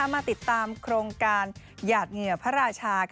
มาติดตามโครงการหยาดเหงื่อพระราชา